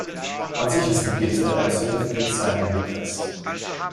Am sichersten geht es mit einem Certificate Signing Request.